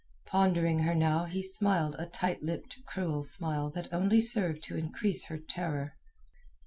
Pondering her now he smiled a tight lipped cruel smile that only served to increase her terror.